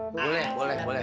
boleh boleh boleh